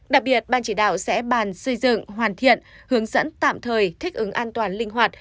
đặc biệt ban chỉ đạo sẽ bàn xây dựng hoàn thiện hướng dẫn tạm thời thích ứng an toàn linh hoạt